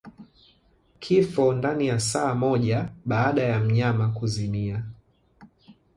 Kifo ndani ya saa moja baada ya mnyama kuzimia